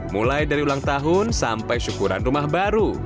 mulai dari ulang tahun sampai syukuran rumah baru